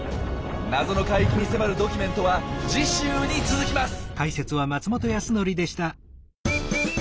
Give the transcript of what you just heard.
「謎の海域」に迫るドキュメントは次週に続きます。